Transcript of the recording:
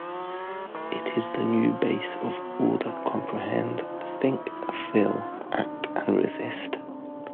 It is the new base of all that comprehend, think, feel, act and resist.